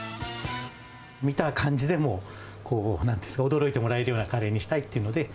見た感じでも、なんていうんですか、驚いてもらえるカレーにしたいっていうので。